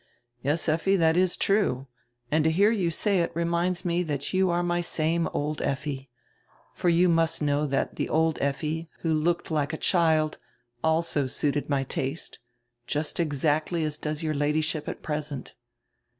"Yes, Effi, that is true. And to hear you say it reminds me that you are my same old Effi. For you must know that the old Effi, who looked like a child, also suited my taste. Just exactly as does your Ladyship at present."